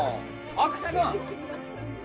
阿久津さん。